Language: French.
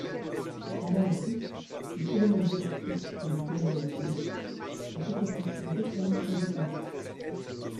Pendant longtemps les phénomènes électriques et les phénomènes magnétiques ont été considérés comme indépendants.